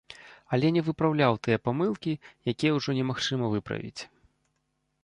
Але не выпраўляў тыя памылкі, які ўжо немагчыма выправіць.